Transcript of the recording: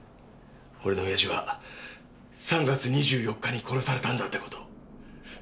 俺の親父は３月２４日に殺されたんだって事を。